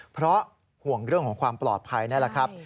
เพราะห่วงเรื่องของความปลอดภัยนั่นแหละครับ